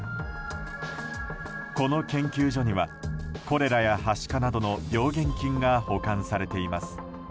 この研究所にはコレラや、はしかなどの病原菌が保管されています。